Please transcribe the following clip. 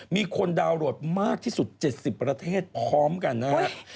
มีคนดาวน์โหลดมากที่สุด๗๐ประเทศพร้อมกันนะครับ